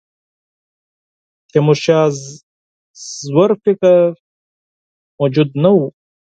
تیمورشاه ژور فکر موجود نه وو.